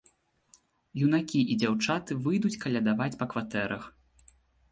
Юнакі і дзяўчаты выйдуць калядаваць па кватэрах.